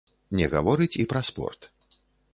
Не гаворыць і пра спорт.